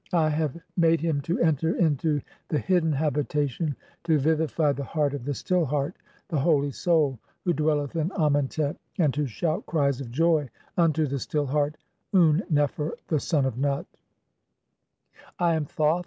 I have made "him to enter into the hidden habitation to vivify the (7) heart "of the Still Heart, the holy Soul, who dwelleth in Amentet, "and to shout cries of joy unto the Still Heart, Un nefer, the "son of Nut." (8) "I am Thoth.